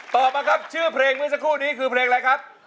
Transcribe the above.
ตอบมาครับชื่อเพลงเมื่อสักครู่นี้คือเพลงอะไรครับ